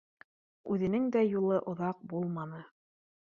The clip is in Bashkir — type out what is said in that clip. Үҙенең дә юлы оҙаҡ булманы